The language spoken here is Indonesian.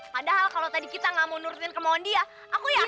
padahal kalo tadi kita ga mau nurutin kemohon dia aku yakin